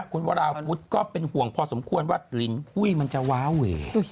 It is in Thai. คุณวราวุฒิก็เป็นห่วงพอสมควรว่าลินหุ้ยมันจะว้าเว